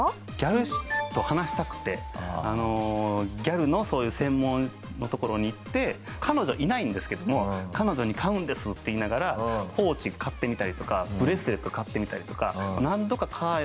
ギャルと話したくてギャルのそういう専門のところに行って彼女いないんですけども「彼女に買うんです」って言いながらポーチ買ってみたりとかブレスレット買ってみたりとか。